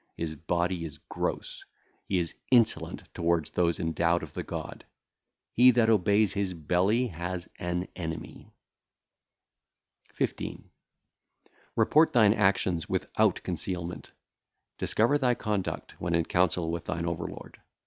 his body is gross (?), he is insolent toward those endowed of the God. He that obeyeth his belly hath an enemy. 15. Report thine actions without concealment; discover thy conduct when in council with thine overlord.